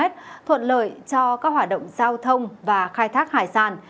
thuận lợi cho các hoạt động giao thông và khai thác hải sản